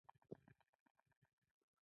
ورور سره د زړګي تلوسه لرې.